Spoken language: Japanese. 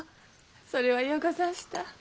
それはようござんした。